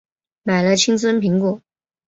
买了青森苹果